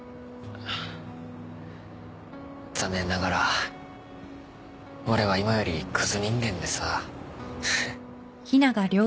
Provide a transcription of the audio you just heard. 残念ながら俺は今よりクズ人間でさ。